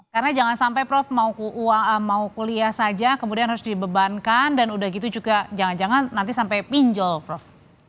karena jangan sampai prof mau kuliah saja kemudian harus dibebankan dan sudah gitu juga jangan jangan nanti sampai pinjol prof